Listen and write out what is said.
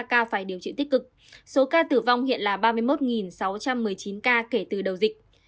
ba ca phải điều trị tích cực số ca tử vong hiện là ba mươi một sáu trăm một mươi chín ca kể từ đầu dịch